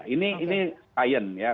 ini iron ya